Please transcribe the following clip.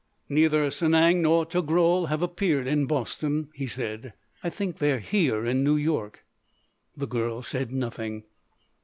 "Neither Sanang nor Togrul have appeared in Boston," he said. "I think they're here in New York." The girl said nothing.